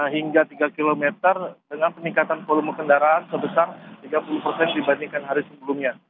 hingga tiga km dengan peningkatan volume kendaraan sebesar tiga puluh persen dibandingkan hari sebelumnya